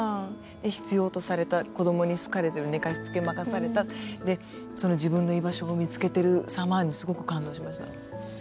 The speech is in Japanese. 必要とされた、子供に好かれてる寝かしつけ任された自分の居場所を見つけてるさまにすごく感動しました。